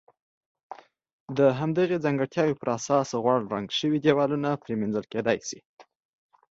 د همدغې ځانګړتیا پر اساس غوړ رنګ شوي دېوالونه پرېمنځل کېدای شي.